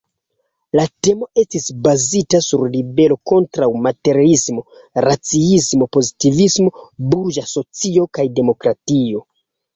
La temo estis bazita sur ribelo kontraŭ materiismo, raciismo, pozitivismo, burĝa socio kaj demokratio.